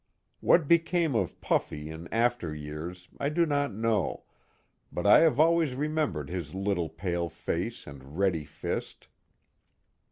What became of Puffy *' in after years I do not know, but I have always remembered his little pale face and ready fist.